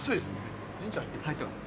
入ってます。